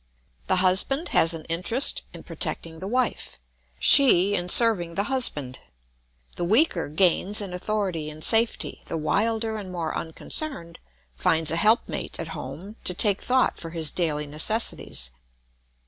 The husband has an interest in protecting the wife, she in serving the husband. The weaker gains in authority and safety, the wilder and more unconcerned finds a help mate at home to take thought for his daily necessities.